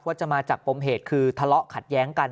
จะมาจากปมเหตุคือทะเลาะขัดแย้งกัน